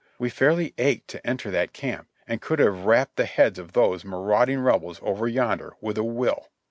We fairly ached to enter that camp, and could have rapped the heads of those marauding Rebels over yonder, with a will.